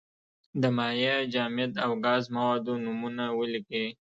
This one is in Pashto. د مایع، جامد او ګاز موادو نومونه ولیکئ.